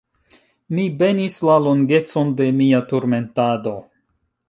Mi benis la longecon de mia turmentado.